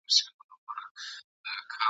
د ښکاری هم حوصله پر ختمېدو وه !.